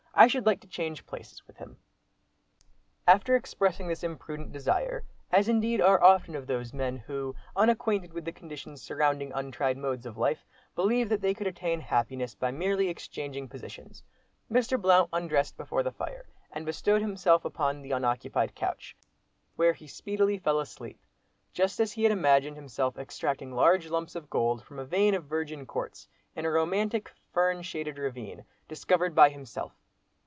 I should like to change places with him." After expressing this imprudent desire, as indeed are often those of men, who, unacquainted with the conditions surrounding untried modes of life, believe that they could attain happiness by merely exchanging positions, Mr. Blount undressed before the fire, and bestowed himself upon the unoccupied couch, where he speedily fell asleep, just as he had imagined himself extracting large lumps of gold from a vein of virgin quartz, in a romantic fern shaded ravine, discovered by himself.